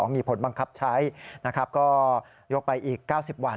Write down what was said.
มีผลบังคับใช้นะครับก็ยกไปอีก๙๐วัน